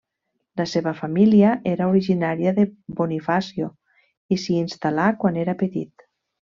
La seva família era originària de Bonifacio, i s'hi instal·là quan era petit.